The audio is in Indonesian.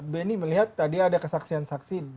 benny melihat tadi ada kesaksian saksi